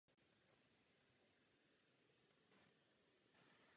Jaroslav Vorel.